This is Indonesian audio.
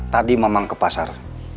tadi memang ke pasar